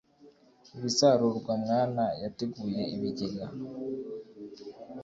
Ibisarurwa Mwana yateguye ibigega